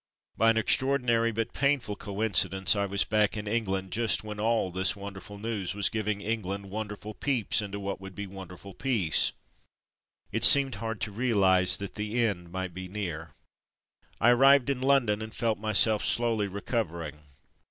By an extraordinary but painful coincidence I was back in Eng land just when all this wonderful News was giving England wonderful Peeps into what would be wonderful Peace. It seemed hard to realize that the end might be near. I arrived in London, and felt myself slowly recovering.